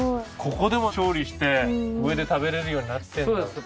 ここでも調理して上で食べられるようになってんだ。